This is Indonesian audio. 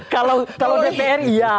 kalau dpr iya